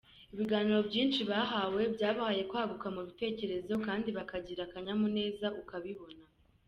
Ibiganiro byinshi bahawe byabahaye kwaguka mu bitekerezo kandi bakagira akanyamuneza ukabibona.